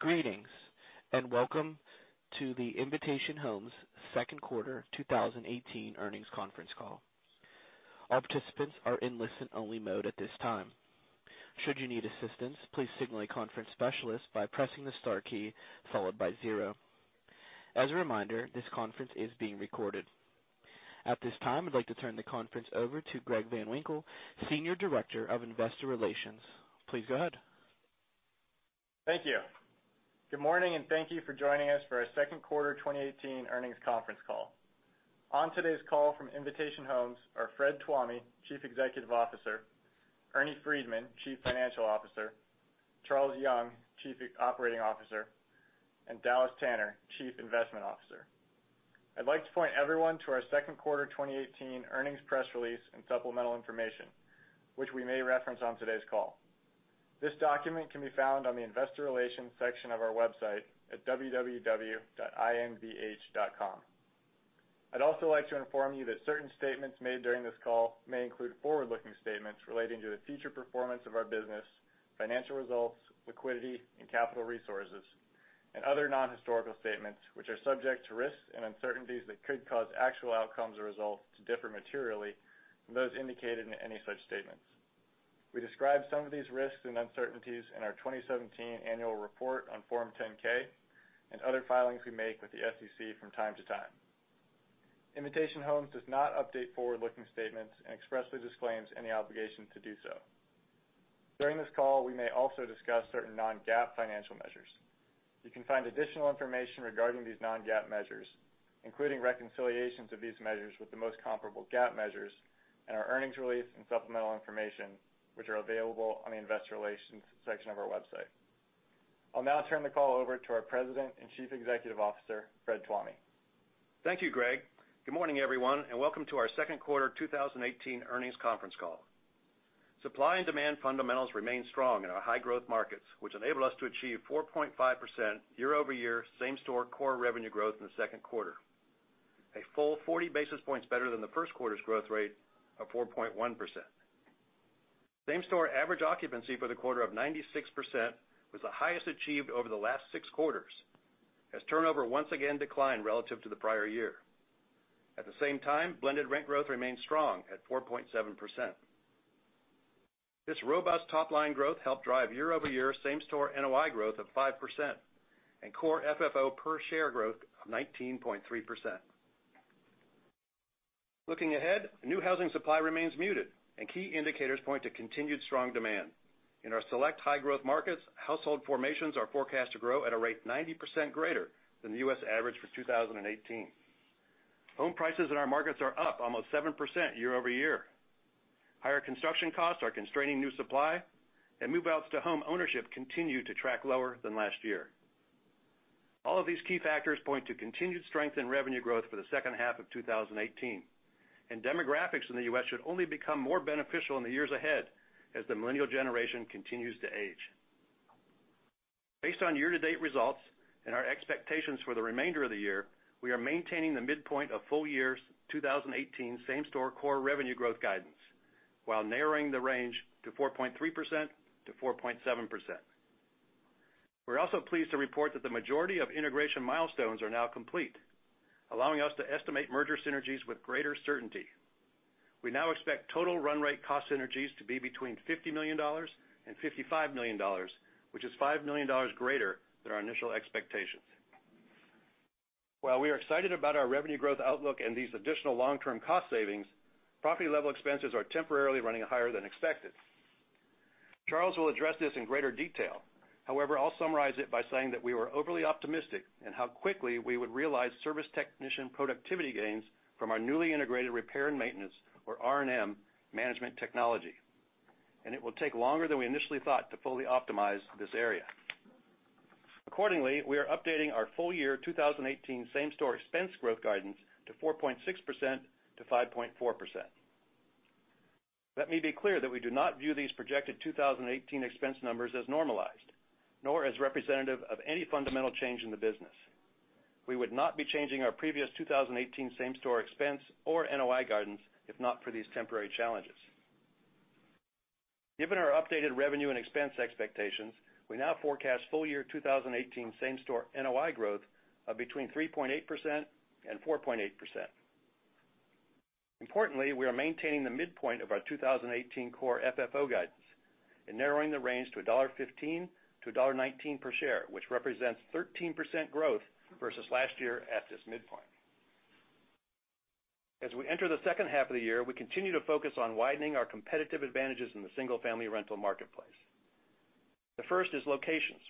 Greetings. Welcome to the Invitation Homes second quarter 2018 earnings conference call. All participants are in listen-only mode at this time. Should you need assistance, please signal a conference specialist by pressing the star key followed by zero. As a reminder, this conference is being recorded. At this time, I'd like to turn the conference over to Greg Van Winkle, Senior Director of Investor Relations. Please go ahead. Thank you. Good morning. Thank you for joining us for our second quarter 2018 earnings conference call. On today's call from Invitation Homes are Frederick Tuomi, Chief Executive Officer; Ernest Freedman, Chief Financial Officer; Charles Young, Chief Operating Officer; and Dallas Tanner, Chief Investment Officer. I'd like to point everyone to our second quarter 2018 earnings press release and supplemental information, which we may reference on today's call. This document can be found on the investor relations section of our website at www.invh.com. I'd also like to inform you that certain statements made during this call may include forward-looking statements relating to the future performance of our business, financial results, liquidity, and capital resources, and other non-historical statements, which are subject to risks and uncertainties that could cause actual outcomes or results to differ materially from those indicated in any such statements. We describe some of these risks and uncertainties in our 2017 annual report on Form 10-K and other filings we make with the SEC from time to time. Invitation Homes does not update forward-looking statements and expressly disclaims any obligation to do so. During this call, we may also discuss certain non-GAAP financial measures. You can find additional information regarding these non-GAAP measures, including reconciliations of these measures with the most comparable GAAP measures in our earnings release and supplemental information, which are available on the investor relations section of our website. I'll now turn the call over to our President and Chief Executive Officer, Frederick Tuomi. Thank you, Greg. Good morning, everyone. Welcome to our second quarter 2018 earnings conference call. Supply and demand fundamentals remain strong in our high-growth markets, which enable us to achieve 4.5% year-over-year same-store core revenue growth in the second quarter, a full 40 basis points better than the first quarter's growth rate of 4.1%. Same-store average occupancy for the quarter of 96% was the highest achieved over the last six quarters, as turnover once again declined relative to the prior year. At the same time, blended rent growth remained strong at 4.7%. This robust top-line growth helped drive year-over-year same-store NOI growth of 5% and core FFO per share growth of 19.3%. Looking ahead, new housing supply remains muted and key indicators point to continued strong demand. In our select high-growth markets, household formations are forecast to grow at a rate 90% greater than the U.S. average for 2018. Home prices in our markets are up almost 7% year-over-year. Higher construction costs are constraining new supply, and move-outs to home ownership continue to track lower than last year. All of these key factors point to continued strength in revenue growth for the second half of 2018, and demographics in the U.S. should only become more beneficial in the years ahead as the millennial generation continues to age. Based on year-to-date results and our expectations for the remainder of the year, we are maintaining the midpoint of full year 2018 same-store core revenue growth guidance while narrowing the range to 4.3%-4.7%. We're also pleased to report that the majority of integration milestones are now complete, allowing us to estimate merger synergies with greater certainty. We now expect total run rate cost synergies to be between $50 million and $55 million, which is $5 million greater than our initial expectations. While we are excited about our revenue growth outlook and these additional long-term cost savings, property-level expenses are temporarily running higher than expected. Charles will address this in greater detail. However, I'll summarize it by saying that we were overly optimistic in how quickly we would realize service technician productivity gains from our newly integrated repair and maintenance, or R&M, management technology, and it will take longer than we initially thought to fully optimize this area. Accordingly, we are updating our full-year 2018 same-store expense growth guidance to 4.6%-5.4%. Let me be clear that we do not view these projected 2018 expense numbers as normalized, nor as representative of any fundamental change in the business. We would not be changing our previous 2018 same-store expense or NOI guidance if not for these temporary challenges. Given our updated revenue and expense expectations, we now forecast full-year 2018 same-store NOI growth of between 3.8% and 4.8%. Importantly, we are maintaining the midpoint of our 2018 core FFO guidance and narrowing the range to $1.15-$1.19 per share, which represents 13% growth versus last year at this midpoint. As we enter the second half of the year, we continue to focus on widening our competitive advantages in the single-family rental marketplace. First is locations.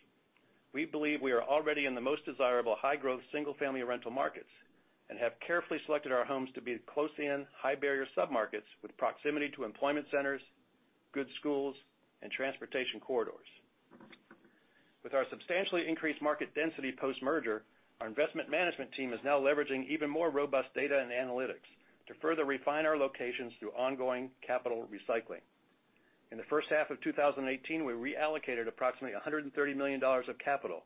We believe we are already in the most desirable high-growth single-family rental markets and have carefully selected our homes to be close-in, high-barrier submarkets with proximity to employment centers, good schools, and transportation corridors. With our substantially increased market density post-merger, our investment management team is now leveraging even more robust data and analytics to further refine our locations through ongoing capital recycling. In the first half of 2018, we reallocated approximately $130 million of capital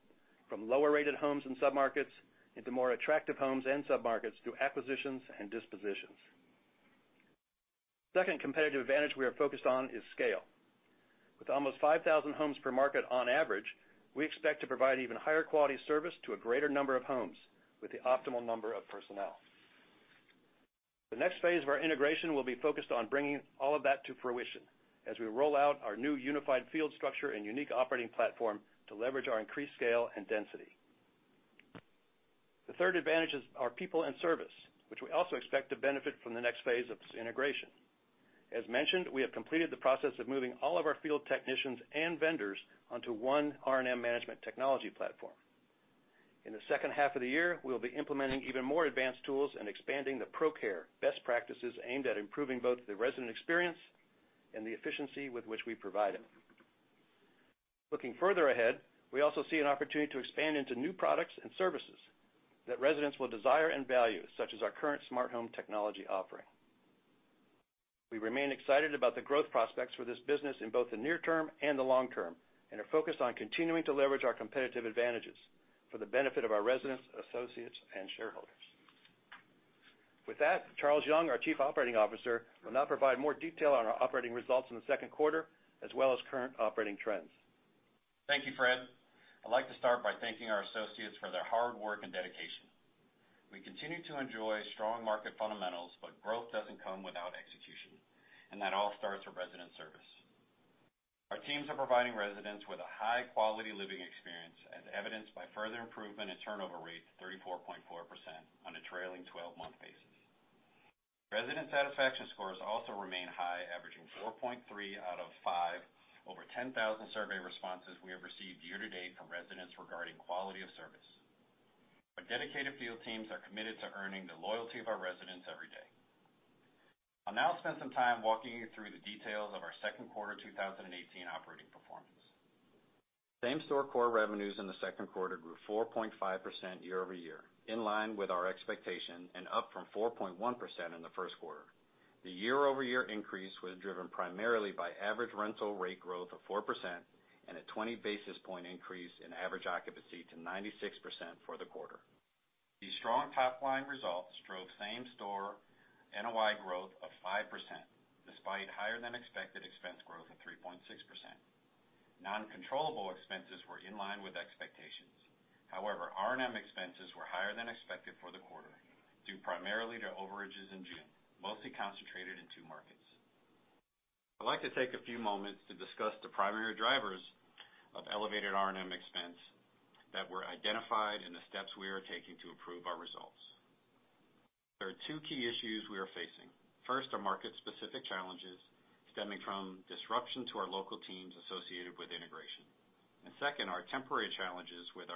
from lower-rated homes and submarkets into more attractive homes and submarkets through acquisitions and dispositions. Second competitive advantage we are focused on is scale. With almost 5,000 homes per market on average, we expect to provide even higher quality service to a greater number of homes with the optimal number of personnel. The next phase of our integration will be focused on bringing all of that to fruition as we roll out our new unified field structure and unique operating platform to leverage our increased scale and density. The third advantage is our people and service, which we also expect to benefit from the next phase of this integration. As mentioned, we have completed the process of moving all of our field technicians and vendors onto one R&M management technology platform. In the second half of the year, we'll be implementing even more advanced tools and expanding the ProCare best practices aimed at improving both the resident experience and the efficiency with which we provide it. Looking further ahead, we also see an opportunity to expand into new products and services that residents will desire and value, such as our current smart home technology offering. We remain excited about the growth prospects for this business in both the near term and the long term, and are focused on continuing to leverage our competitive advantages for the benefit of our residents, associates, and shareholders. With that, Charles Young, our Chief Operating Officer, will now provide more detail on our operating results in the second quarter, as well as current operating trends. Thank you, Fred. I'd like to start by thanking our associates for their hard work and dedication. We continue to enjoy strong market fundamentals, but growth doesn't come without execution, and that all starts with resident service. Our teams are providing residents with a high-quality living experience, as evidenced by further improvement in turnover rates 34.4% on a trailing 12-month basis. Resident satisfaction scores also remain high, averaging 4.3 out of five over 10,000 survey responses we have received year to date from residents regarding quality of service. Our dedicated field teams are committed to earning the loyalty of our residents every day. I'll now spend some time walking you through the details of our Q2 2018 operating performance. Same-store core revenues in the second quarter grew 4.5% year-over-year, in line with our expectation and up from 4.1% in the first quarter. The year-over-year increase was driven primarily by average rental rate growth of 4% and a 20 basis point increase in average occupancy to 96% for the quarter. These strong top-line results drove same-store NOI growth of 5%, despite higher than expected expense growth of 3.6%. Non-controllable expenses were in line with expectations. R&M expenses were higher than expected for the quarter, due primarily to overages in June, mostly concentrated in two markets. I'd like to take a few moments to discuss the primary drivers of elevated R&M expense that were identified and the steps we are taking to improve our results. There are two key issues we are facing. First, are market-specific challenges stemming from disruption to our local teams associated with integration. Second, are temporary challenges we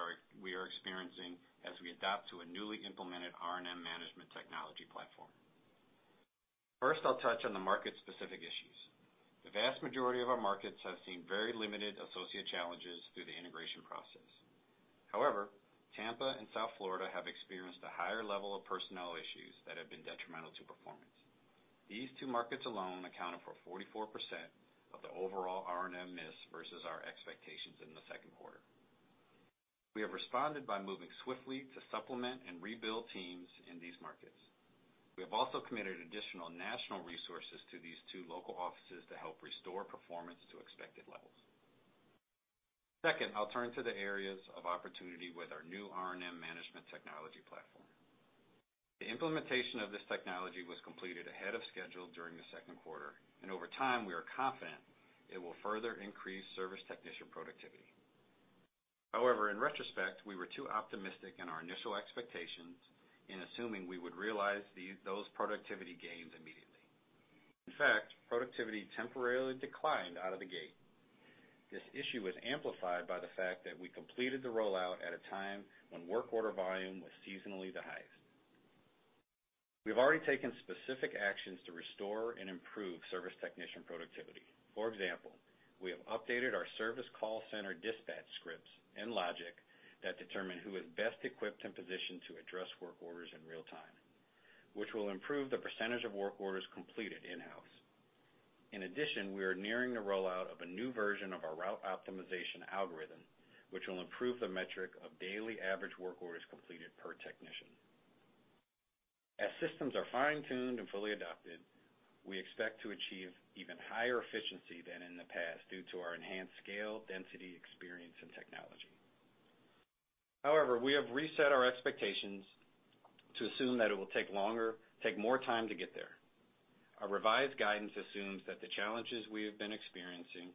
are experiencing as we adapt to a newly implemented R&M management technology platform. First, I'll touch on the market-specific issues. The vast majority of our markets have seen very limited associate challenges through the integration process. However, Tampa and South Florida have experienced a higher level of personnel issues that have been detrimental to performance. These two markets alone accounted for 44% of the overall R&M miss versus our expectations in the second quarter. We have responded by moving swiftly to supplement and rebuild teams in these markets. We have also committed additional national resources to these two local offices to help restore performance to expected levels. Second, I'll turn to the areas of opportunity with our new R&M management technology platform. The implementation of this technology was completed ahead of schedule during the second quarter, and over time, we are confident it will further increase service technician productivity. In retrospect, we were too optimistic in our initial expectations in assuming we would realize those productivity gains immediately. In fact, productivity temporarily declined out of the gate. This issue was amplified by the fact that we completed the rollout at a time when work order volume was seasonally the highest. We've already taken specific actions to restore and improve service technician productivity. For example, we have updated our service call center dispatch scripts and logic that determine who is best equipped and positioned to address work orders in real time, which will improve the percentage of work orders completed in-house. We are nearing the rollout of a new version of our route optimization algorithm, which will improve the metric of daily average work orders completed per technician. As systems are fine-tuned and fully adopted, we expect to achieve even higher efficiency than in the past due to our enhanced scale, density, experience, and technology. We have reset our expectations to assume that it will take more time to get there. Our revised guidance assumes that the challenges we have been experiencing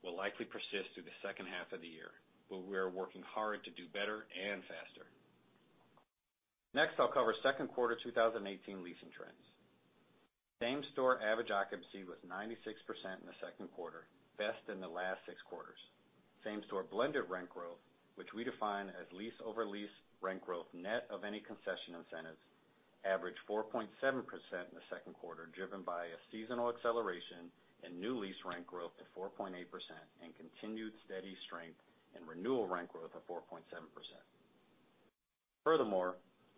will likely persist through the second half of the year. We are working hard to do better and faster. Next, I'll cover second quarter 2018 leasing trends. Same-store average occupancy was 96% in the second quarter, best in the last six quarters. Same-store blended rent growth, which we define as lease over lease rent growth, net of any concession incentives, averaged 4.7% in the second quarter, driven by a seasonal acceleration and new lease rent growth at 4.8% and continued steady strength in renewal rent growth of 4.7%.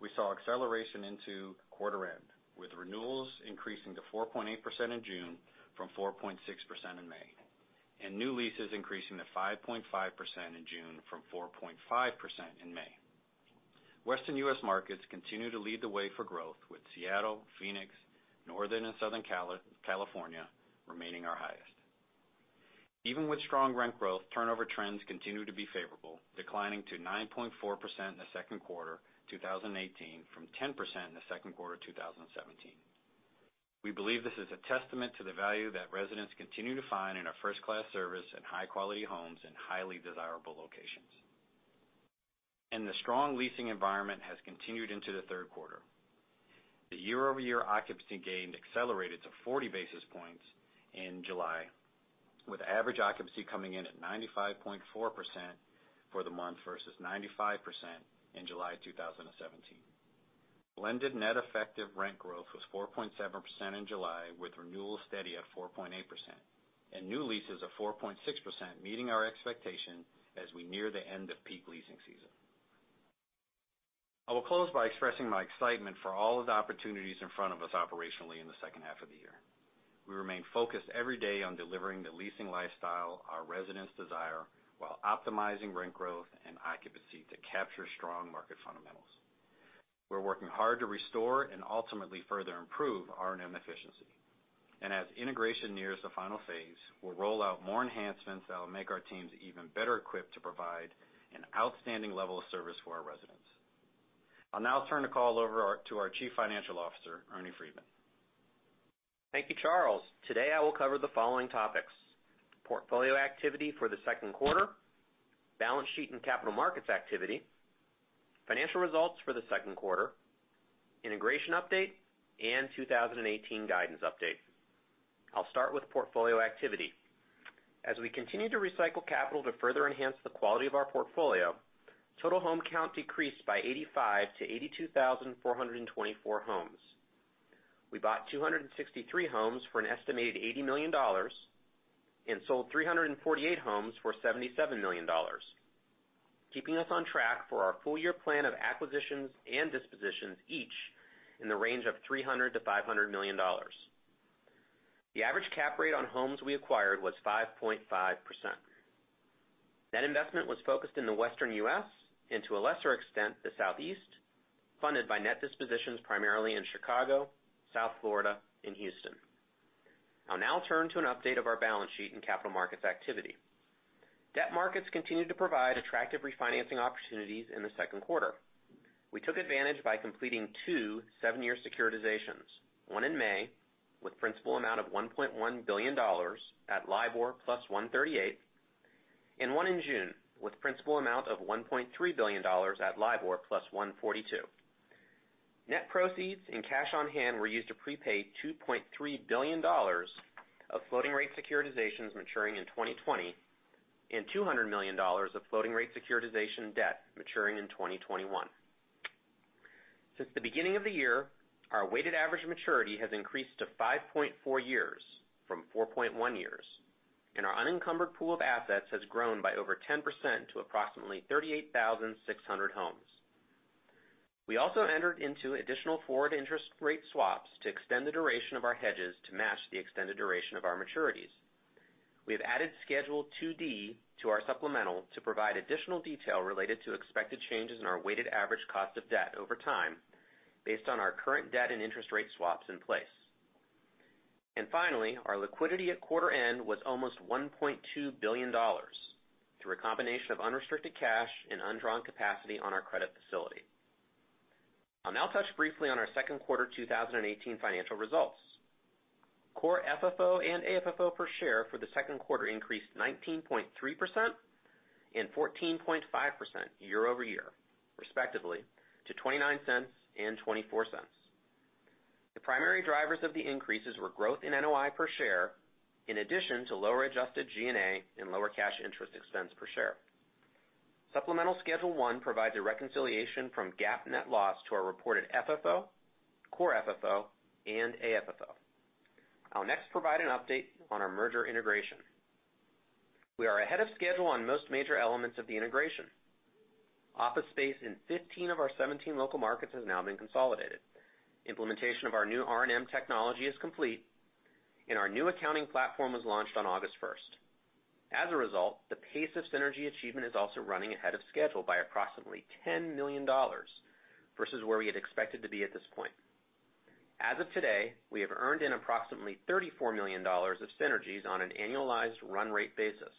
We saw acceleration into quarter end, with renewals increasing to 4.8% in June from 4.6% in May, and new leases increasing to 5.5% in June from 4.5% in May. Western U.S. markets continue to lead the way for growth with Seattle, Phoenix, Northern and Southern California remaining our highest. Even with strong rent growth, turnover trends continue to be favorable, declining to 9.4% in the second quarter 2018 from 10% in the second quarter 2017. We believe this is a testament to the value that residents continue to find in our first-class service and high-quality homes in highly desirable locations. The strong leasing environment has continued into the third quarter. The year-over-year occupancy gain accelerated to 40 basis points in July, with average occupancy coming in at 95.4% for the month versus 95% in July 2017. Blended net effective rent growth was 4.7% in July, with renewal steady at 4.8%, and new leases of 4.6% meeting our expectation as we near the end of peak leasing season. I will close by expressing my excitement for all of the opportunities in front of us operationally in the second half of the year. We remain focused every day on delivering the leasing lifestyle our residents desire while optimizing rent growth and occupancy to capture strong market fundamentals. We're working hard to restore and ultimately further improve R&M efficiency. As integration nears the final phase, we'll roll out more enhancements that will make our teams even better equipped to provide an outstanding level of service for our residents. I'll now turn the call over to our Chief Financial Officer, Ernest Freedman. Thank you, Charles. Today, I will cover the following topics: portfolio activity for the second quarter, balance sheet and capital markets activity, financial results for the second quarter, integration update, and 2018 guidance update. I'll start with portfolio activity. As we continue to recycle capital to further enhance the quality of our portfolio, total home count decreased by 85 to 82,424 homes. We bought 263 homes for an estimated $80 million and sold 348 homes for $77 million, keeping us on track for our full year plan of acquisitions and dispositions each in the range of $300 million-$500 million. The average cap rate on homes we acquired was 5.5%. That investment was focused in the Western U.S., and to a lesser extent, the Southeast, funded by net dispositions primarily in Chicago, South Florida, and Houston. I'll now turn to an update of our balance sheet and capital markets activity. Debt markets continued to provide attractive refinancing opportunities in the second quarter. We took advantage by completing two seven-year securitizations, one in May with principal amount of $1.1 billion at LIBOR plus 138, and one in June with principal amount of $1.3 billion at LIBOR plus 142. Net proceeds and cash on hand were used to prepaid $2.3 billion of floating rate securitizations maturing in 2020 and $200 million of floating rate securitization debt maturing in 2021. Since the beginning of the year, our weighted average maturity has increased to 5.4 years from 4.1 years. Our unencumbered pool of assets has grown by over 10% to approximately 38,600 homes. We also entered into additional forward interest rate swaps to extend the duration of our hedges to match the extended duration of our maturities. We have added Schedule 2D to our supplemental to provide additional detail related to expected changes in our weighted average cost of debt over time based on our current debt and interest rate swaps in place. Finally, our liquidity at quarter end was almost $1.2 billion through a combination of unrestricted cash and undrawn capacity on our credit facility. I'll now touch briefly on our second quarter 2018 financial results. Core FFO and AFFO per share for the second quarter increased 19.3% and 14.5% year-over-year, respectively, to $0.29 and $0.24. The primary drivers of the increases were growth in NOI per share, in addition to lower adjusted G&A and lower cash interest expense per share. Supplemental Schedule 1 provides a reconciliation from GAAP net loss to our reported FFO, Core FFO, and AFFO. I'll next provide an update on our merger integration. We are ahead of schedule on most major elements of the integration. Office space in 15 of our 17 local markets has now been consolidated. Implementation of our new R&M technology is complete, and our new accounting platform was launched on August 1st. As a result, the pace of synergy achievement is also running ahead of schedule by approximately $10 million versus where we had expected to be at this point. As of today, we have earned in approximately $34 million of synergies on an annualized run rate basis,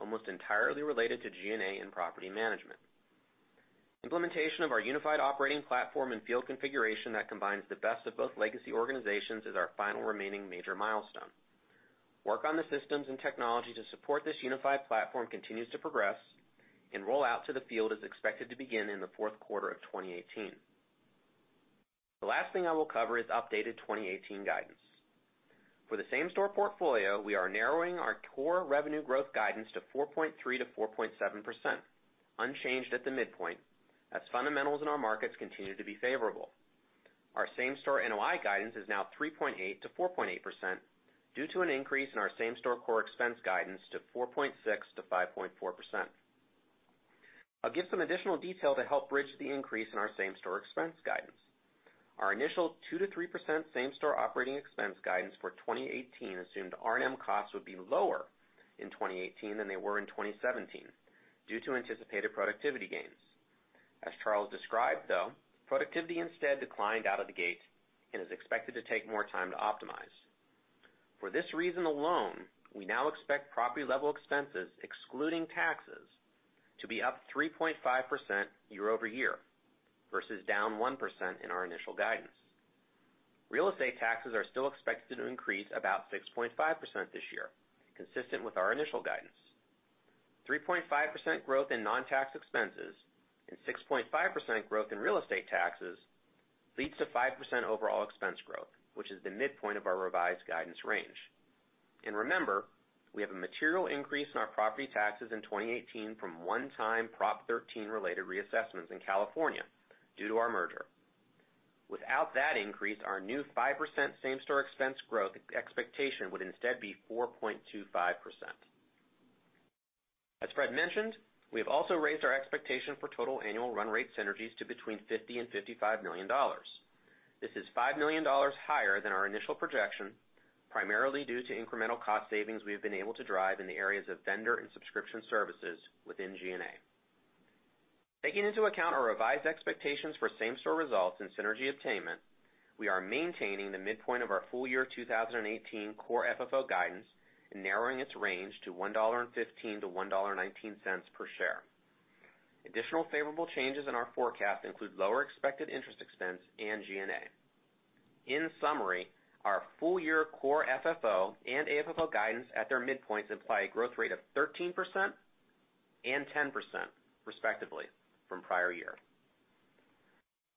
almost entirely related to G&A and property management. Implementation of our unified operating platform and field configuration that combines the best of both legacy organizations is our final remaining major milestone. Work on the systems and technology to support this unified platform continues to progress, and rollout to the field is expected to begin in the fourth quarter of 2018. The last thing I will cover is updated 2018 guidance. For the same-store portfolio, we are narrowing our [core] revenue growth guidance to 4.3%-4.7%, unchanged at the midpoint, as fundamentals in our markets continue to be favorable. Our same-store NOI guidance is now 3.8%-4.8% due to an increase in our same-store core expense guidance to 4.6%-5.4%. I'll give some additional detail to help bridge the increase in our same-store expense guidance. Our initial 2%-3% same-store operating expense guidance for 2018 assumed R&M costs would be lower in 2018 than they were in 2017 due to anticipated productivity gains. As Charles described, though, productivity instead declined out of the gate and is expected to take more time to optimize. For this reason alone, we now expect property-level expenses, excluding taxes, to be up 3.5% year-over-year, versus down 1% in our initial guidance. Real estate taxes are still expected to increase about 6.5% this year, consistent with our initial guidance. 3.5% growth in non-tax expenses and 6.5% growth in real estate taxes leads to 5% overall expense growth, which is the midpoint of our revised guidance range. And remember, we have a material increase in our property taxes in 2018 from one-time Proposition 13 related reassessments in California due to our merger. Without that increase, our new 5% same-store expense growth expectation would instead be 4.25%. As Fred mentioned, we have also raised our expectation for total annual run rate synergies to between $50 and $55 million. This is $5 million higher than our initial projection, primarily due to incremental cost savings we have been able to drive in the areas of vendor and subscription services within G&A. Taking into account our revised expectations for same-store results and synergy attainment, we are maintaining the midpoint of our full year 2018 core FFO guidance and narrowing its range to $1.15-$1.19 per share. Additional favorable changes in our forecast include lower expected interest expense and G&A. In summary, our full year core FFO and AFFO guidance at their midpoints imply a growth rate of 13% and 10%, respectively, from prior year.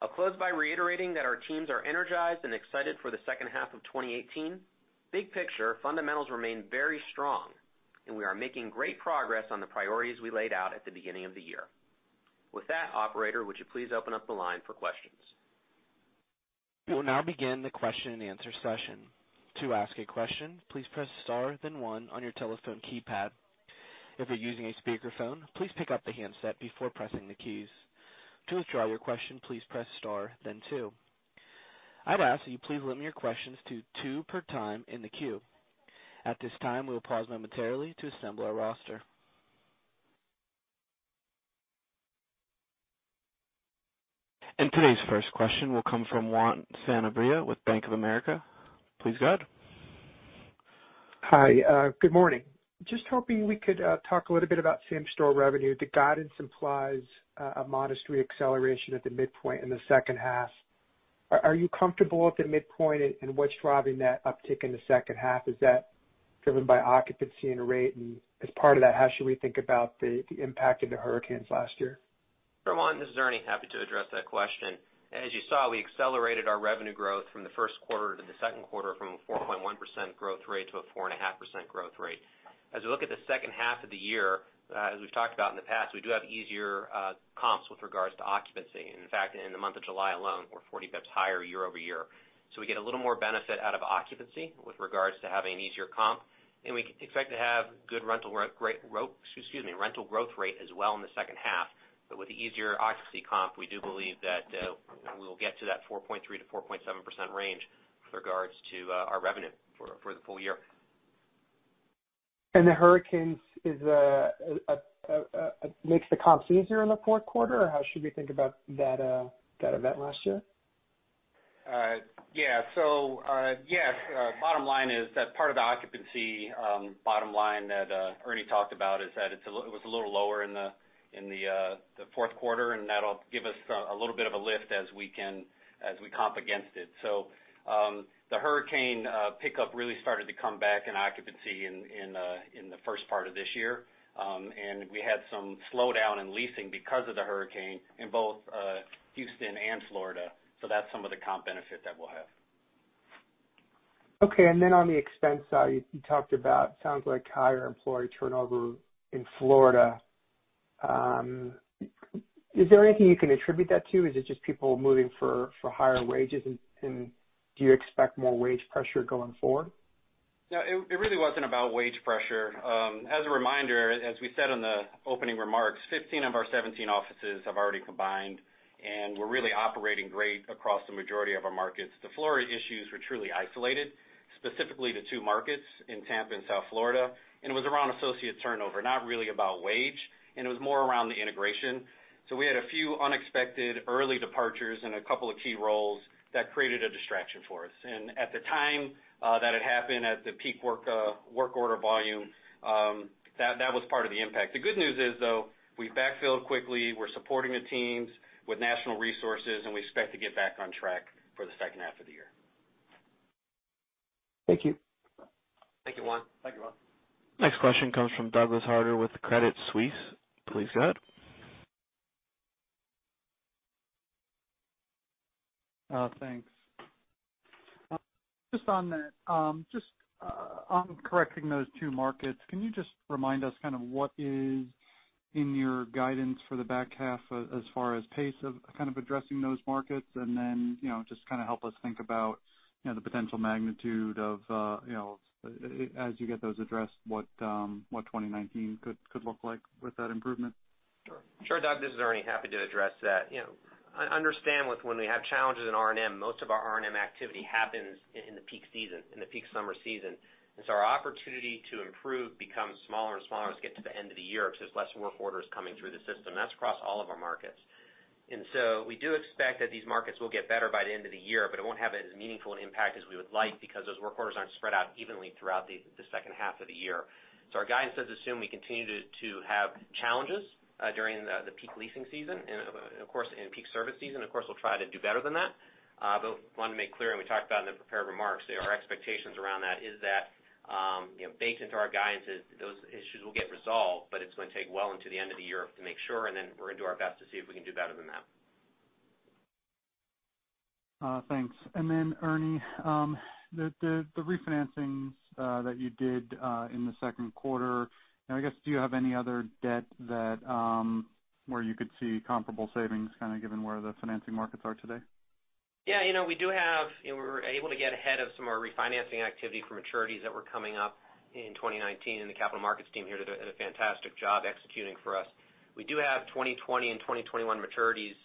I'll close by reiterating that our teams are energized and excited for the second half of 2018. Big picture, fundamentals remain very strong, and we are making great progress on the priorities we laid out at the beginning of the year. With that, operator, would you please open up the line for questions? We will now begin the question and answer session. To ask a question, please press star then one on your telephone keypad. If you're using a speakerphone, please pick up the handset before pressing the keys. To withdraw your question, please press star then two. I'd ask that you please limit your questions to two per time in the queue. At this time, we will pause momentarily to assemble our roster. Today's first question will come from Juan Sanabria with Bank of America. Please go ahead. Hi. Good morning. Just hoping we could talk a little bit about same-store revenue. The guidance implies a modest re-acceleration at the midpoint in the second half. Are you comfortable with the midpoint, and what's driving that uptick in the second half? Is that driven by occupancy and rate? As part of that, how should we think about the impact of the hurricanes last year? Sure, Juan, this is Ernie. Happy to address that question. As you saw, we accelerated our revenue growth from the first quarter to the second quarter from a 4.1% growth rate to a 4.5% growth rate. As we look at the second half of the year, as we've talked about in the past, we do have easier comps with regards to occupancy. In fact, in the month of July alone, we're 40 basis points higher year-over-year. We get a little more benefit out of occupancy with regards to having easier comp, and we expect to have good rental growth rate as well in the second half. With the easier occupancy comp, we do believe that we will get to that 4.3%-4.7% range with regards to our revenue for the full year. The hurricanes makes the comps easier in the fourth quarter? How should we think about that event last year? Yes. Part of the occupancy bottom line that Ernie talked about is that it was a little lower in the fourth quarter, and that'll give us a little bit of a lift as we comp against it. The hurricane pickup really started to come back in occupancy in the first part of this year. We had some slowdown in leasing because of the hurricane in both Houston and Florida. That's some of the comp benefit that we'll have. On the expense side, you talked about sounds like higher employee turnover in Florida. Is there anything you can attribute that to? Is it just people moving for higher wages, and do you expect more wage pressure going forward? No, it really wasn't about wage pressure. As a reminder, as we said in the opening remarks, 15 of our 17 offices have already combined, and we're really operating great across the majority of our markets. The Florida issues were truly isolated, specifically to 2 markets in Tampa and South Florida, and it was around associate turnover, not really about wage, and it was more around the integration. We had a few unexpected early departures in a couple of key roles that created a distraction for us. At the time that it happened, at the peak work order volume, that was part of the impact. The good news is, though, we backfilled quickly. We're supporting the teams with national resources, and we expect to get back on track for the second half of the year. Thank you. Thank you, Juan. Thank you, Juan. Next question comes from Douglas Harter with Credit Suisse. Please go ahead. Thanks. Just on correcting those two markets, can you just remind us kind of what is in your guidance for the back half as far as pace of kind of addressing those markets? Then, just kind of help us think about the potential magnitude of, as you get those addressed, what 2019 could look like with that improvement. Sure, Doug, this is Ernie. Happy to address that. Understand with when we have challenges in R&M, most of our R&M activity happens in the peak season, in the peak summer season. So our opportunity to improve becomes smaller and smaller as we get to the end of the year, because there's less work orders coming through the system. That's across all of our markets. So we do expect that these markets will get better by the end of the year, but it won't have as meaningful an impact as we would like because those work orders aren't spread out evenly throughout the second half of the year. Our guidance does assume we continue to have challenges during the peak leasing season and of course, in peak service season. Of course, we'll try to do better than that. Wanted to make clear, and we talked about in the prepared remarks, our expectations around that is that, based into our guidance, is those issues will get resolved, but it's going to take well into the end of the year to make sure, then we're going to do our best to see if we can do better than that. Thanks. Then Ernie, the refinancings that you did in the second quarter, and I guess, do you have any other debt where you could see comparable savings, kind of given where the financing markets are today? Yeah, we were able to get ahead of some of our refinancing activity for maturities that were coming up in 2019, and the capital markets team here did a fantastic job executing for us. We do have 2020 and 2021 maturities.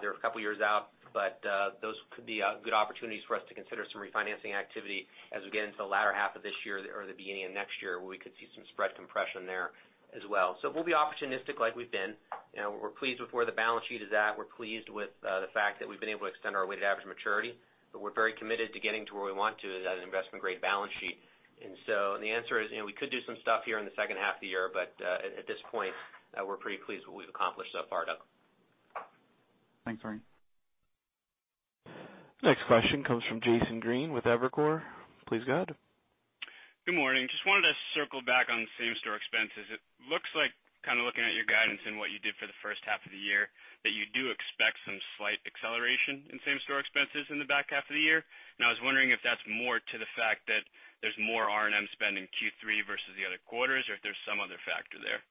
They're a couple of years out, but those could be good opportunities for us to consider some refinancing activity as we get into the latter half of this year or the beginning of next year, where we could see some spread compression there as well. We'll be opportunistic like we've been. We're pleased with where the balance sheet is at. We're pleased with the fact that we've been able to extend our weighted average maturity, but we're very committed to getting to where we want to is at an investment-grade balance sheet. The answer is, we could do some stuff here in the second half of the year, but at this point, we're pretty pleased with what we've accomplished so far, Doug. Thanks, Ernie. Next question comes from Jason Green with Evercore. Please go ahead. Good morning. Just wanted to circle back on same-store expenses. It looks like, kind of looking at your guidance and what you did for the first half of the year, that you do expect some slight acceleration in same-store expenses in the back half of the year. I was wondering if that's more to the fact that there's more R&M spend in Q3 versus the other quarters or if there's some other factor there.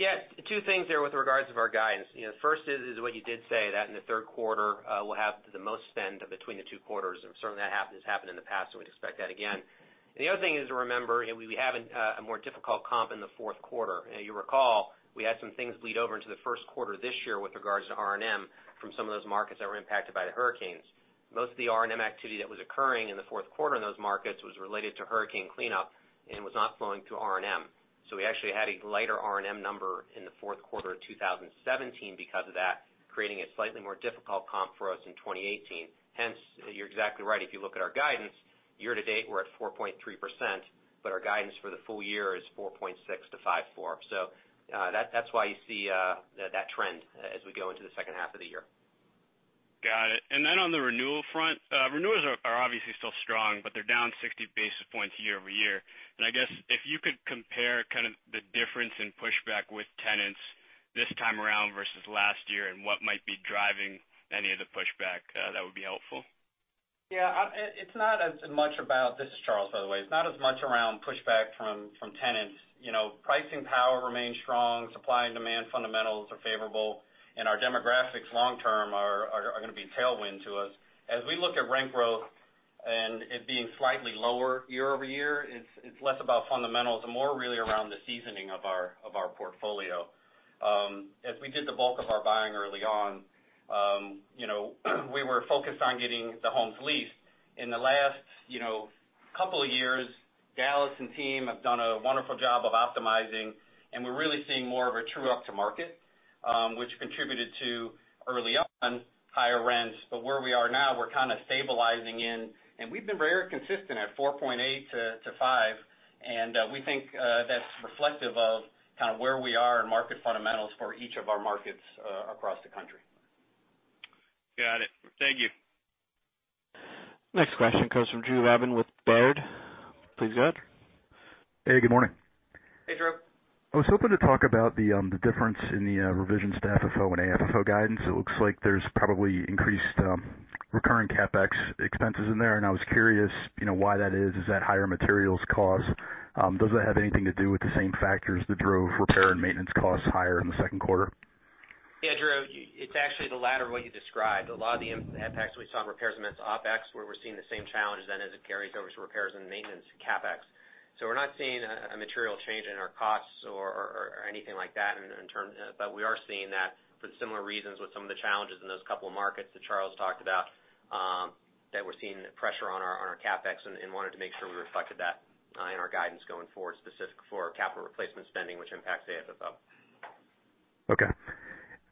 Yeah. Two things there with regards of our guidance. First is what you did say, that in the third quarter, we'll have the most spend between the two quarters, and certainly that has happened in the past, and we'd expect that again. The other thing is to remember, we have a more difficult comp in the fourth quarter. You recall, we had some things bleed over into the first quarter this year with regards to R&M from some of those markets that were impacted by the hurricanes. Most of the R&M activity that was occurring in the fourth quarter in those markets was related to hurricane cleanup and was not flowing through R&M. We actually had a lighter R&M number in the fourth quarter of 2017 because of that, creating a slightly more difficult comp for us in 2018. Hence, you're exactly right. If you look at our guidance, year to date, we're at 4.3%, but our guidance for the full year is 4.6%-5.4%. That's why you see that trend as we go into the second half of the year. Got it. On the renewal front, renewals are obviously still strong, but they're down 60 basis points year-over-year. I guess if you could compare kind of the difference in pushback with tenants this time around versus last year and what might be driving any of the pushback, that would be helpful. Yeah. This is Charles, by the way. It's not as much around pushback from tenants. Pricing power remains strong, supply and demand fundamentals are favorable, and our demographics long term are going to be a tailwind to us. As we look at rent growth and it being slightly lower year-over-year, it's less about fundamentals and more really around the seasoning of our portfolio. As we did the bulk of our buying early on, we were focused on getting the homes leased. In the last couple of years, Dallas and team have done a wonderful job of optimizing, and we're really seeing more of a true up to market, which contributed to early on higher rents. Where we are now, we're kind of stabilizing in, and we've been very consistent at 4.8%-5%, and we think that's reflective of kind of where we are in market fundamentals for each of our markets across the country. Got it. Thank you. Next question comes from Drew Babin with Baird. Please go ahead. Hey, good morning. Hey, Drew. I was hoping to talk about the difference in the revisions to FFO and AFFO guidance. It looks like there's probably increased recurring CapEx expenses in there, and I was curious why that is. Is that higher materials cost? Does that have anything to do with the same factors that drove repair and maintenance costs higher in the second quarter? Yeah, Drew, it's actually the latter of what you described. A lot of the impacts we saw in repairs and maintenance OpEx, where we're seeing the same challenges then as it carries over to repairs and maintenance CapEx. We're not seeing a material change in our costs or anything like that, we are seeing that for similar reasons with some of the challenges in those couple of markets that Charles talked about, that we're seeing pressure on our CapEx and wanted to make sure we reflected that in our guidance going forward specific for capital replacement spending, which impacts AFFO. Okay.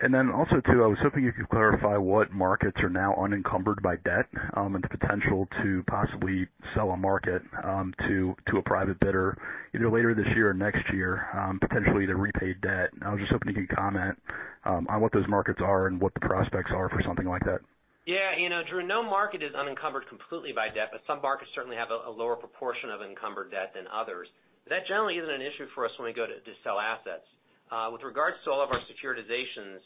Also too, I was hoping you could clarify what markets are now unencumbered by debt and the potential to possibly sell a market to a private bidder either later this year or next year, potentially to repay debt. I was just hoping you could comment on what those markets are and what the prospects are for something like that. Yeah. Drew, no market is unencumbered completely by debt, but some markets certainly have a lower proportion of encumbered debt than others. That generally isn't an issue for us when we go to sell assets. With regards to all of our securitizations,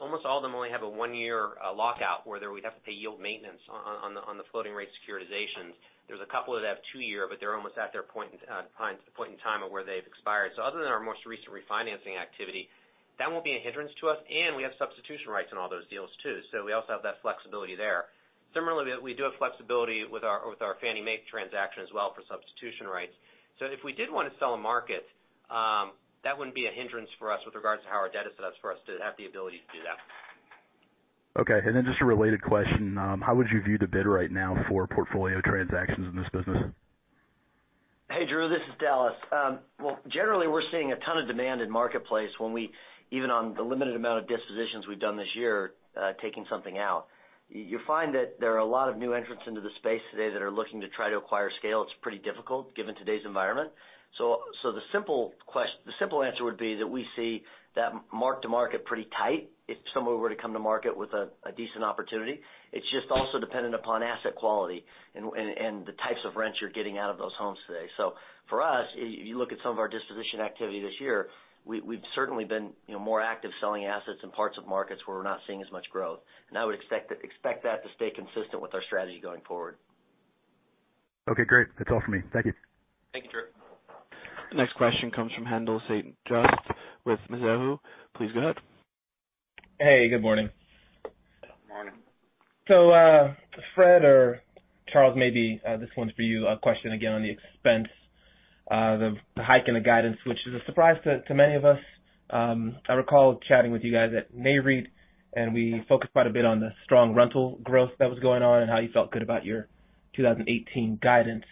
almost all of them only have a one-year lockout, where we'd have to pay yield maintenance on the floating rate securitizations. There's a couple that have two-year, but they're almost at their point in time of where they've expired. Other than our most recent refinancing activity, that won't be a hindrance to us, and we have substitution rights in all those deals too, so we also have that flexibility there. Similarly, we do have flexibility with our Fannie Mae transaction as well for substitution rights. If we did want to sell a market That wouldn't be a hindrance for us with regards to how our debt is set up for us to have the ability to do that. Okay. Just a related question, how would you view the bid right now for portfolio transactions in this business? Hey, Drew, this is Dallas. Well, generally, we're seeing a ton of demand in marketplace when we, even on the limited amount of dispositions we've done this year, taking something out. You find that there are a lot of new entrants into the space today that are looking to try to acquire scale. It's pretty difficult given today's environment. The simple answer would be that we see that mark to market pretty tight if someone were to come to market with a decent opportunity. It's just also dependent upon asset quality and the types of rents you're getting out of those homes today. For us, you look at some of our disposition activity this year, we've certainly been more active selling assets in parts of markets where we're not seeing as much growth. I would expect that to stay consistent with our strategy going forward. Okay, great. That's all for me. Thank you. Thank you, Drew. The next question comes from Haendel St. Juste with Mizuho Securities. Please go ahead. Hey, good morning. Morning. Fred or Charles, maybe this one's for you. A question again on the expense, the hike in the guidance, which is a surprise to many of us. I recall chatting with you guys at Nareit, and we focused quite a bit on the strong rental growth that was going on and how you felt good about your 2018 guidance.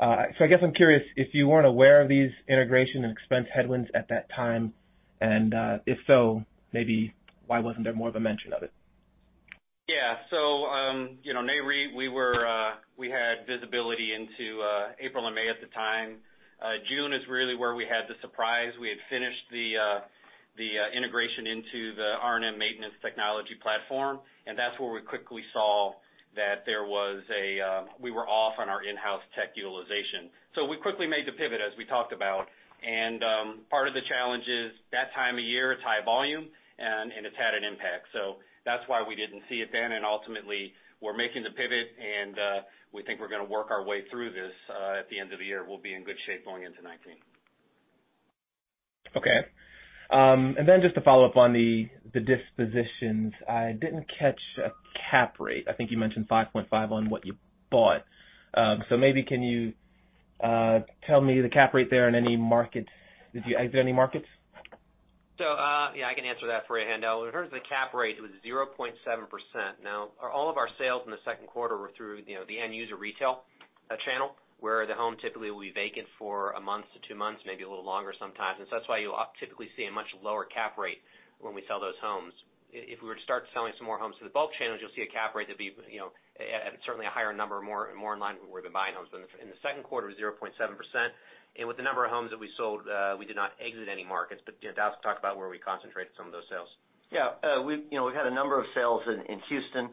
I guess I'm curious if you weren't aware of these integration and expense headwinds at that time, if so, maybe why wasn't there more of a mention of it? Yeah. Nareit, we had visibility into April and May at the time. June is really where we had the surprise. We had finished the integration into the R&M maintenance technology platform, that's where we quickly saw that we were off on our in-house tech utilization. We quickly made the pivot, as we talked about. Part of the challenge is that time of year, it's high volume, it's had an impact. That's why we didn't see it then, ultimately, we're making the pivot, we think we're going to work our way through this. At the end of the year, we'll be in good shape going into 2019. Okay. Just to follow up on the dispositions, I didn't catch a cap rate. I think you mentioned 5.5 on what you bought. Maybe can you tell me the cap rate there in any markets? Is there any markets? Yeah, I can answer that for you, Haendel. In terms of the cap rate, it was 0.7%. All of our sales in the second quarter were through the end user retail channel, where the home typically will be vacant for a month to two months, maybe a little longer sometimes. That's why you'll typically see a much lower cap rate when we sell those homes. If we were to start selling some more homes to the bulk channel, you'll see a cap rate that'd be at certainly a higher number, more in line with where we've been buying homes. In the second quarter, it was 0.7%. With the number of homes that we sold, we did not exit any markets. Dallas can talk about where we concentrated some of those sales. We've had a number of sales in Houston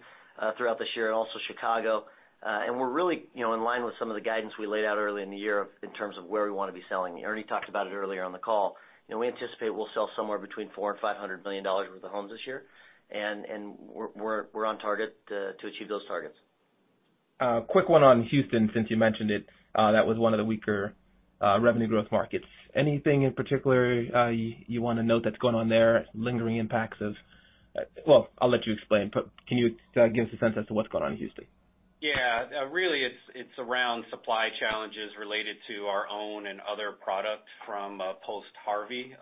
throughout this year and also Chicago. We're really in line with some of the guidance we laid out early in the year in terms of where we want to be selling. Ernie talked about it earlier on the call. We anticipate we'll sell somewhere between $400 million-$500 million worth of homes this year, and we're on target to achieve those targets. A quick one on Houston, since you mentioned it. That was one of the weaker revenue growth markets. Anything in particular you want to note that's going on there, Well, I'll let you explain, but can you give us a sense as to what's going on in Houston? Really, it's around supply challenges related to our own and other products from post-Harvey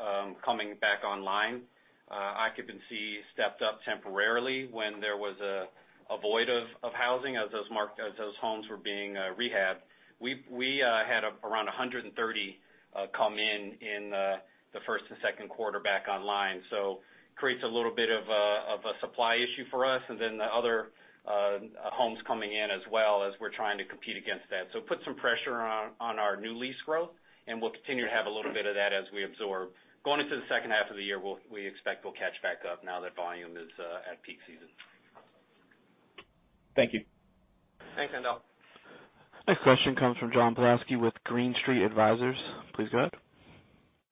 coming back online. Occupancy stepped up temporarily when there was a void of housing as those homes were being rehabbed. We had around 130 come in in the first and second quarter back online, so creates a little bit of a supply issue for us, and then the other homes coming in as well as we're trying to compete against that. Put some pressure on our new lease growth, and we'll continue to have a little bit of that as we absorb. Going into the second half of the year, we expect we'll catch back up now that volume is at peak season. Thank you. Thanks, Haendel. Next question comes from John Pawlowski with Green Street Advisors. Please go ahead.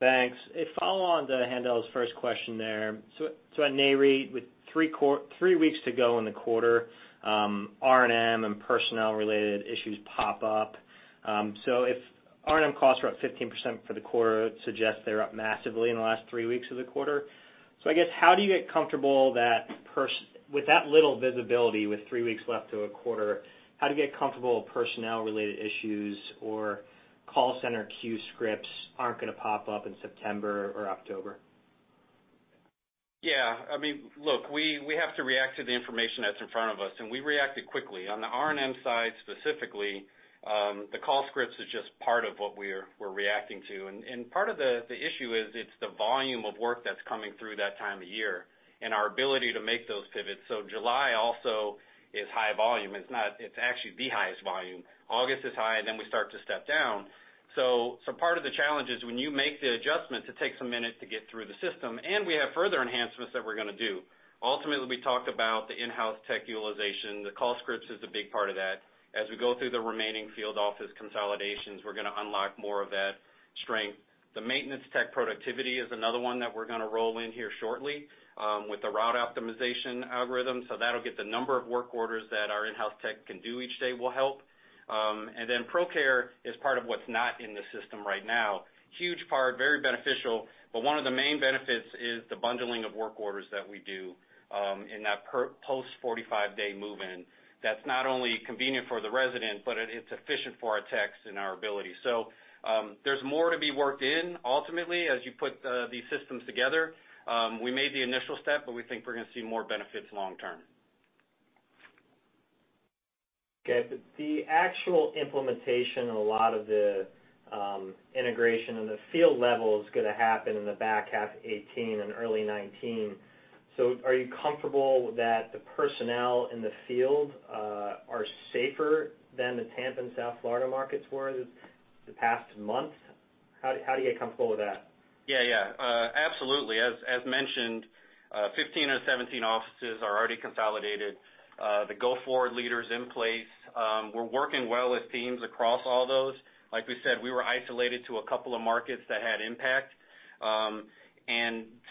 Thanks. A follow-on to Haendel's first question there. At NAREIT, with three weeks to go in the quarter, R&M and personnel-related issues pop up. If R&M costs are up 15% for the quarter, it suggests they're up massively in the last three weeks of the quarter. I guess, how do you get comfortable that, with that little visibility, with three weeks left to a quarter, how do you get comfortable personnel-related issues or call center queue scripts aren't going to pop up in September or October? Look, we have to react to the information that's in front of us, and we reacted quickly. On the R&M side specifically, the call scripts is just part of what we're reacting to. Part of the issue is it's the volume of work that's coming through that time of year and our ability to make those pivots. July also is high volume. It's actually the highest volume. August is high, and then we start to step down. Part of the challenge is when you make the adjustment, it takes a minute to get through the system. We have further enhancements that we're going to do. Ultimately, we talked about the in-house tech utilization. The call scripts is a big part of that. As we go through the remaining field office consolidations, we're going to unlock more of that strength. The maintenance tech productivity is another one that we're going to roll in here shortly with the route optimization algorithm, that'll get the number of work orders that our in-house tech can do each day will help. ProCare is part of what's not in the system right now. Huge part, very beneficial, but one of the main benefits is the bundling of work orders that we do in that post-45-day move-in. That's not only convenient for the resident, but it's efficient for our techs and our ability. There's more to be worked in ultimately, as you put these systems together. We made the initial step, but we think we're going to see more benefits long term. Okay. The actual implementation and a lot of the integration on the field level is going to happen in the back half 2018 and early 2019. Are you comfortable that the personnel in the field are safer than the Tampa and South Florida markets were the past month? How do you get comfortable with that? Yeah. Absolutely. As mentioned, 15 out of 17 offices are already consolidated. The go-forward leader's in place. We're working well with teams across all those. Like we said, we were isolated to a couple of markets that had impact.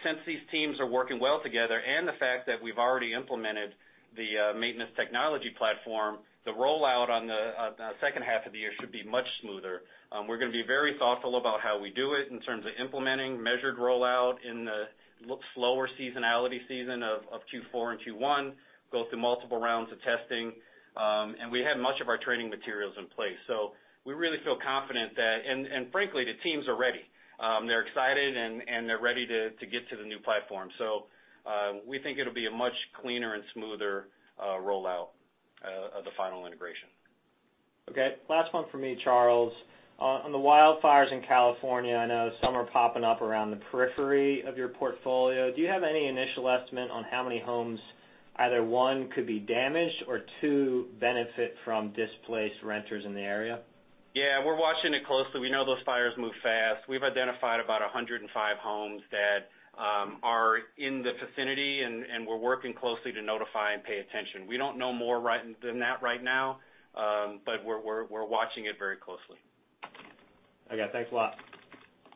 Since these teams are working well together, and the fact that we've already implemented the maintenance technology platform, the rollout on the second half of the year should be much smoother. We're going to be very thoughtful about how we do it in terms of implementing measured rollout in the slower seasonality season of Q4 and Q1, go through multiple rounds of testing. We have much of our training materials in place. We really feel confident that. Frankly, the teams are ready. They're excited, and they're ready to get to the new platform. We think it'll be a much cleaner and smoother rollout of the final integration. Okay. Last one from me, Charles. On the wildfires in California, I know some are popping up around the periphery of your portfolio. Do you have any initial estimate on how many homes, either 1, could be damaged or 2, benefit from displaced renters in the area? Yeah. We're watching it closely. We know those fires move fast. We've identified about 105 homes that are in the vicinity, and we're working closely to notify and pay attention. We don't know more than that right now. We're watching it very closely. Okay. Thanks a lot.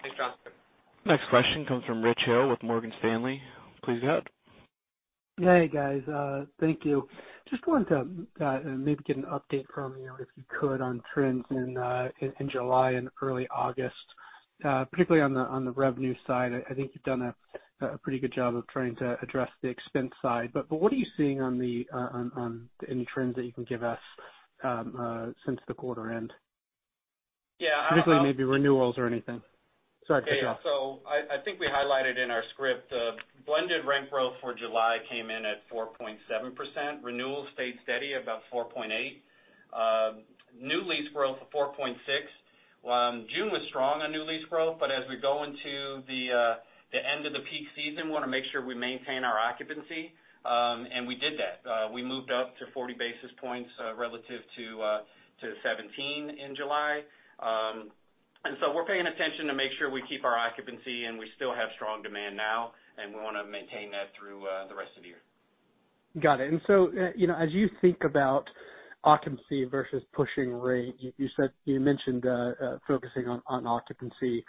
Thanks, John. Next question comes from Richard Hill with Morgan Stanley. Please go ahead. Hey, guys. Thank you. Just wanted to maybe get an update from you, if you could, on trends in July and early August, particularly on the revenue side. I think you've done a pretty good job of trying to address the expense side. What are you seeing on any trends that you can give us since the quarter end? Yeah. Particularly maybe renewals or anything. Sorry to cut you off. I think we highlighted in our script, blended rent growth for July came in at 4.7%. Renewals stayed steady, about 4.8%. New lease growth of 4.6%. June was strong on new lease growth, as we go into the end of the peak season, want to make sure we maintain our occupancy. We did that. We moved up to 40 basis points relative to 2017 in July. We're paying attention to make sure we keep our occupancy, and we still have strong demand now, and we want to maintain that through the rest of the year. Got it. As you think about occupancy versus pushing rate, you mentioned focusing on occupancy.